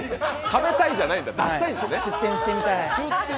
食べたいじゃないんだ、出したいなんだ。